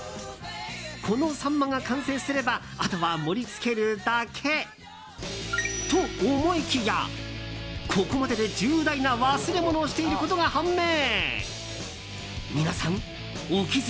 このサンマが完成すればあとは盛り付けるだけ。と思いきや、ここまでで重大な忘れ物をしていることが判明。